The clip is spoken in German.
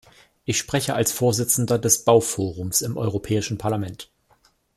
Ich spreche als Vorsitzender des Bauforums im Europäischen Parlament.